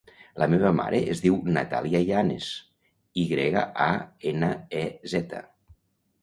La meva mare es diu Natàlia Yanez: i grega, a, ena, e, zeta.